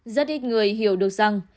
rất ít người hiểu được rằng